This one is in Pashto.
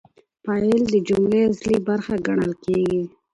فاعل د جملې اصلي برخه ګڼل کیږي.